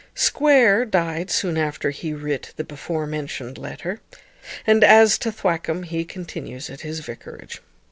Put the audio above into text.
Square died soon after he writ the before mentioned letter; and as to Thwackum, he continues at his vicarage.